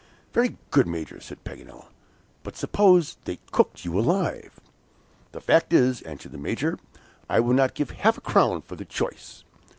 "Very good. Major," said Paganel; "but suppose they cooked you alive?" "The fact is," answered the Major, "I would not give half a crown for the choice!"